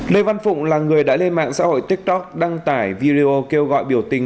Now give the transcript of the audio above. lê văn phụng là người đã lên mạng xã hội tiktok đăng tải video kêu gọi biểu tình